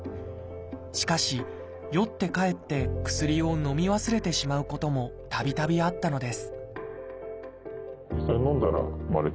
しかし酔って帰って薬をのみ忘れてしまうこともたびたびあったのです